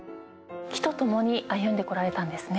木と共に歩んでこられたんですね。